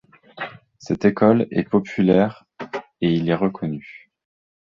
Cette école est populaire et il est reconnu.